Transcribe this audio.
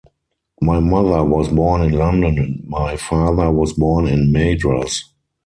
My mother was born in London and my father was born in Madras.